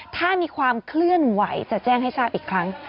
ถ้ามีความเคลื่อนไหวจะแจ้งให้ทราบอีกครั้ง